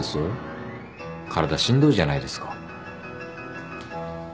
体しんどいじゃないですか。